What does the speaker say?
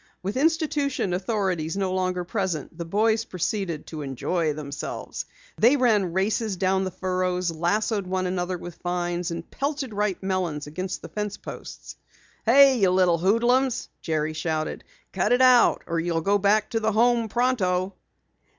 With institution authorities no longer present, the boys proceeded to enjoy themselves. They ran races down the furrows, lassoed one another with vines, and pelted ripe melons against the fence posts. "Hey, you little hoodlums!" Jerry shouted. "Cut it out or you'll go back to the Home pronto!"